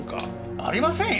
ありませんよ！